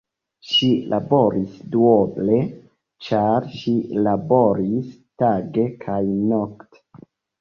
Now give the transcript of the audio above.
Ŝi laboris duoble, ĉar ŝi laboris tage kaj nokte.